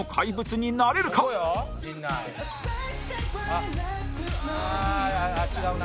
「ああ違うな」